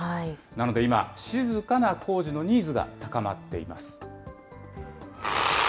なので今、静かな工事のニーズが高まっています。